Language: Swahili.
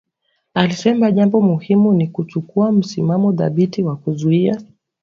Alisema jambo muhimu ni kuchukua msimamo thabiti na kuzuia